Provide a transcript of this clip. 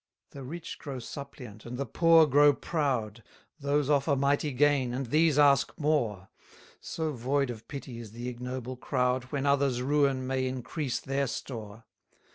250 The rich grow suppliant, and the poor grow proud; Those offer mighty gain, and these ask more: So void of pity is the ignoble crowd, When others' ruin may increase their store.